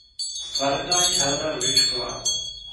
Ztvárnila ji Helena Růžičková.